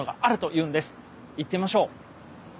いってみましょう。